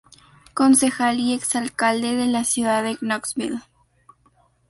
Concejal y exalcalde de la ciudad de Knoxville.